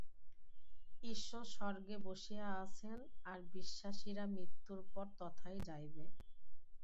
ঈশ্বর স্বর্গে বসিয়া আছেন আর বিশ্বাসীরা মৃত্যুর পর তথায় যাইবে।